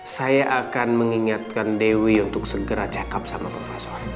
saya akan mengingatkan dewi untuk segera cakep sama profesor